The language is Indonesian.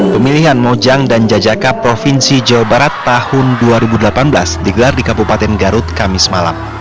pemilihan mojang dan jajaka provinsi jawa barat tahun dua ribu delapan belas digelar di kabupaten garut kamis malam